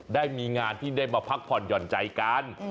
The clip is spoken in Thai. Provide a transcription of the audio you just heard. ได้มีงานที่ได้มาพักผ่อนหย่อนใจกัน